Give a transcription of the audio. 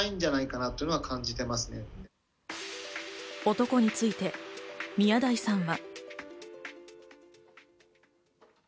男について宮台さんは。